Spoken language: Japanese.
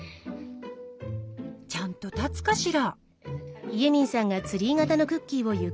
ちゃんと立つかしら？